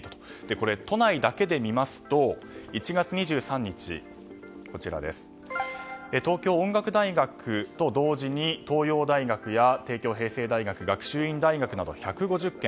これ、都内だけで見ますと１月２３日東京音楽大学と同時に東洋大学や帝京平成大学、学習院大学など１５０件。